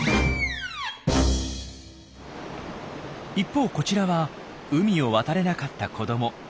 一方こちらは海を渡れなかった子ども。